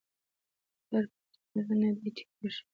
ـ اختر پټ ميړه نه دى ،چې تېر شي.